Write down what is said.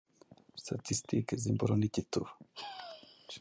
statistique z’imboro n’igituba